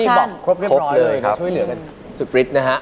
บอกครบเรียบร้อยช่วยเหลือกันสุดฤทธินะฮะ